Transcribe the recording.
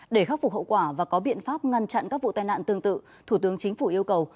để khắc phục hậu quả và có biện pháp ngăn chặn các vụ tai nạn tương tự thủ tướng chính phủ yêu cầu